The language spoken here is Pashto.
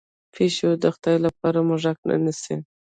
پیشو د خدای لپاره موږک نه نیسي.